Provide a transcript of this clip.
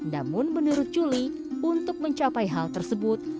namun menurut juli untuk mencapai hal tersebut